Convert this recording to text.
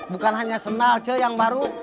bukan hanya senal cek yang baru